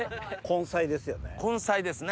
根菜ですね？